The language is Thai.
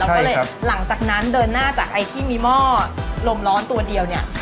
ก็เลยหลังจากนั้นเดินหน้าจากไอ้ที่มีหม้อลมร้อนตัวเดียวเนี่ย